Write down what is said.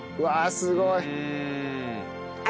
すごい！